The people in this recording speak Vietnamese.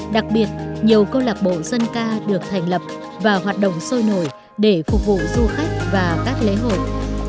đặc biệt nhiều câu lạc bộ dân ca được thành lập và hoạt động sôi nổi để phục vụ du khách và các lễ hội